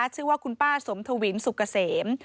ชื่อว่าคุณป้าสมทวินสุกเกษม